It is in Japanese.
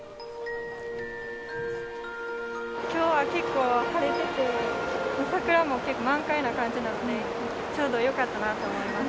きょうは結構晴れてて、桜も結構満開な感じなので、ちょうどよかったなと思います。